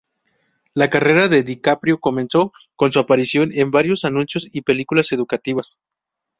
La carrera de DiCaprio comenzó con su aparición en varios anuncios y películas educativas.